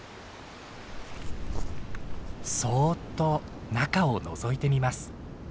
そっと中をのぞいてみます。